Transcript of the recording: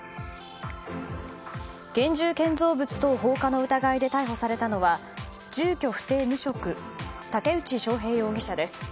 現住建造物等放火の疑いで逮捕されたのは住居不定無職竹内翔平容疑者です。